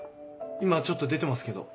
今ちょっと出てますけど。